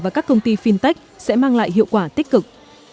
và các công ty fintech sẽ mang lại hiệu quả tích cực